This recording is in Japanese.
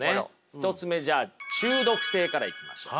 １つ目じゃあ中毒性からいきましょう。